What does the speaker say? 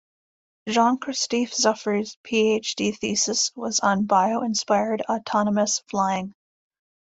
Jean-Christophe Zufferey PhD thesis was on bio-inspired autonomous flying.